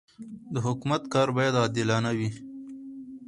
د حکومت کار باید عادلانه وي.